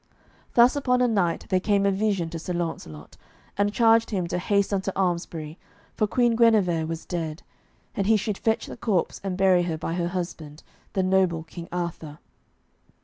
Thus upon a night there came a vision to Sir Launcelot, and charged him to haste unto Almesbury, for Queen Guenever was dead, and he should fetch the corpse and bury her by her husband, the noble King Arthur.